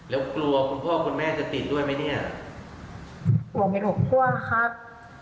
แล้วกลัวคุณพ่อคุณแม่จะติดด้วยไหมเนี่ยห่วงไปดวกพ่อครับ